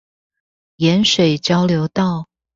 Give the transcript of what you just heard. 鹽水交流道